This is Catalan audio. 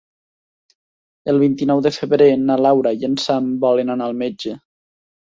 El vint-i-nou de febrer na Laura i en Sam volen anar al metge.